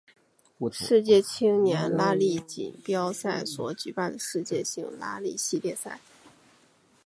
世界青年拉力锦标赛所举办的世界性拉力系列赛。